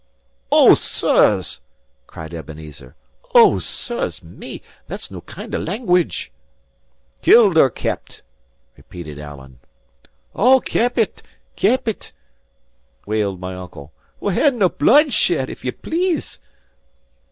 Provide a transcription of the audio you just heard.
"O, sirs!" cried Ebenezer. "O, sirs, me! that's no kind of language!" "Killed or kept!" repeated Alan. "O, keepit, keepit!" wailed my uncle. "We'll have nae bloodshed, if you please."